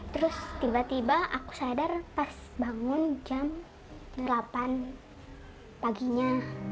terus tiba tiba aku sadar pas bangun jam delapan paginya